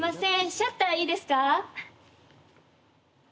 シャッターいいですか。